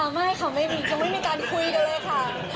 อ้าวไม่ค่ะไม่มีการคุยด้วยค่ะ